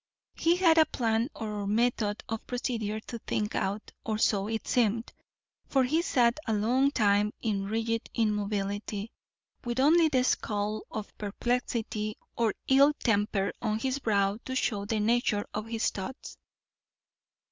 He had a plan or method of procedure to think out, or so it seemed, for he sat a long time in rigid immobility, with only the scowl of perplexity or ill temper on his brow to show the nature of his thoughts.